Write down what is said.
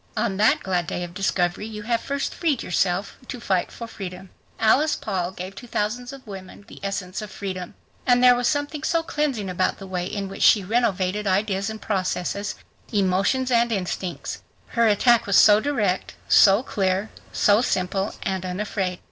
On that glad day of discovery you have first freed yourself to fight for freedom. Alice Paul gave to thousands of women the essence of freedom. And there was something so cleansing about the way in which she renovated ideas and processes, emotions and instincts. Her attack was so direct, so clear, so simple and unafraid.